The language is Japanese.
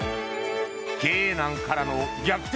経営難からの逆転